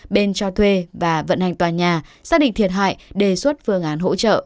bên cho thuê và vận hành tòa nhà xác định thiệt hại đề xuất phương án hỗ trợ